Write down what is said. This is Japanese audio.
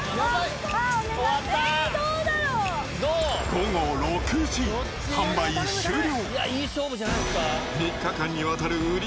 午後６時、販売終了。